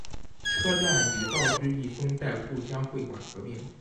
车站与道之驿松代故乡会馆合并。